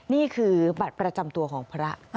นี่คือบัตรประจำตัวของพระ